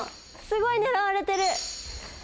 すごい狙われてる！